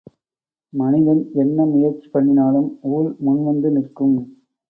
மனிதன் என்ன முயற்சி பண்ணினாலும் ஊழ் முன்வந்து நிற்கும்.